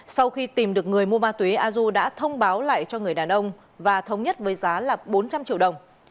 sau khi tìm được người mua ma túy azu đã thông báo lại cho người đàn ông và thống nhất với giá là bốn trăm linh triệu đồng